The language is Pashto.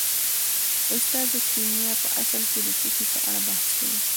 استاده کیمیا په اصل کې د څه شي په اړه بحث کوي